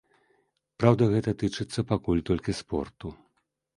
Праўда, гэта тычыцца пакуль толькі спорту.